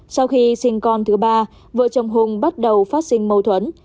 sau khi sinh con thứ ba vợ chồng hùng bắt đầu phát sinh mâu thuẫn